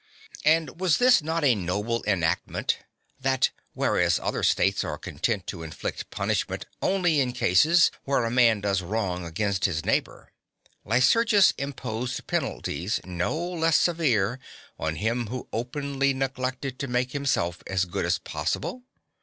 And was this not a noble enactment, that whereas other states are content to inflict punishment only in cases where a man does wrong against his neighbour, Lycurgus imposed penalties no less severe on him who openly neglected to make himself as good as possible?